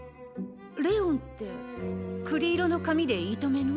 レオンって栗色の髪で糸目の？